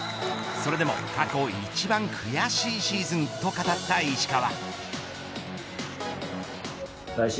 それでも、過去一番悔しいシーズンと語った石川。